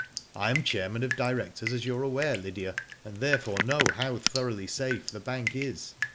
I am chairman of directors, as you are aware, Lydia, and therefore know how thoroughly safe the bank is.